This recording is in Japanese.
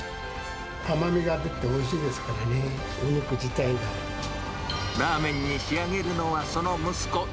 甘みが出ておいしいですからラーメンに仕上げるのは、その息子。